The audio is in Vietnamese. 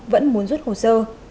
vẫn muốn rút hồ sơ